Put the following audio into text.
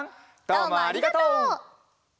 どうもありがとう！